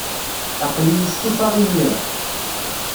Aql-iyi stufaɣ imir-a.